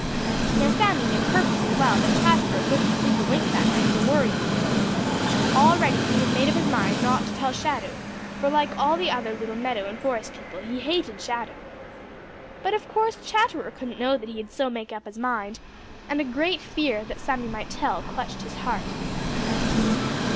Now Sammy knew perfectly well that Chatterer wouldn't sleep a wink that night for worrying. Already he had made up his mind not to tell Shadow, for like all the other little meadow and forest people he hated Shadow. But of course Chatterer couldn't know that he had so made up his mind, and a great fear that Sammy might tell clutched his heart.